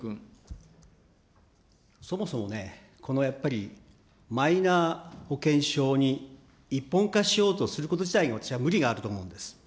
そもそもね、このやっぱり、マイナ保険証に一本化しようとすること自体が、私は無理があると思うんです。